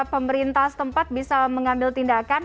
pemerintah setempat bisa mengambil tindakan